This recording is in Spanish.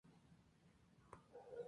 ¿tú no hubieses vivido?